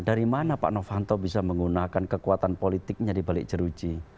dari mana pak novanto bisa menggunakan kekuatan politiknya di balik jeruji